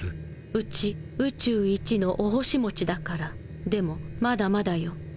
うちウチュウイチのお星持ちだからでもまだまだよ。